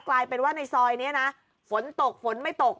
กลายเป็นว่าในซอยนี้นะฝนตกฝนไม่ตก